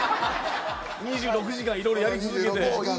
２６時間いろいろやり続けて。